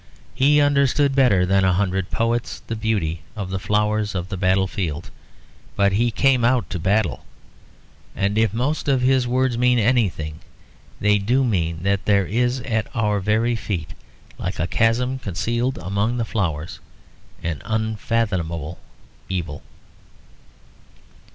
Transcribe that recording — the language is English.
He understood better than a hundred poets the beauty of the flowers of the battle field; but he came out to battle. And if most of his words mean anything they do mean that there is at our very feet, like a chasm concealed among the flowers, an unfathomable evil.